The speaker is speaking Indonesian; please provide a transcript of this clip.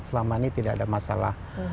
selama ini tidak ada masalah